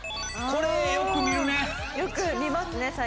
これよく見るね。